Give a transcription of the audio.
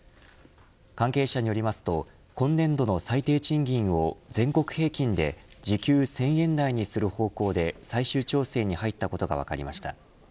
関係者によりますと今年度の最低賃金を全国平均で時給１０００円台にする方向で最終調整に入ったことが分かりました。